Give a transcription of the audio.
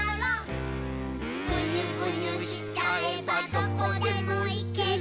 「ぐにゅぐにゅしちゃえばどこでも行ける」